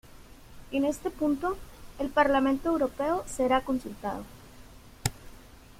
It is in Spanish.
En este punto, el Parlamento Europeo será consultado.